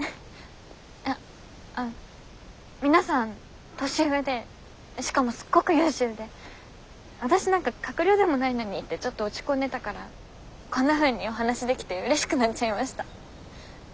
いや皆さん年上でしかもすっごく優秀で私なんか閣僚でもないのにってちょっと落ち込んでたからこんなふうにお話しできてうれしくなっちゃいました。